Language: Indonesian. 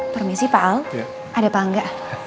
permisi pak al ada pak angga